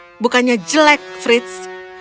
berbeda itu bukannya jelek fritz